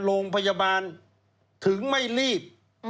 โรงพยาบาลถึงไม่รีบ